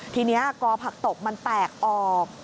ทีนี้กอผักตกมันแตกออก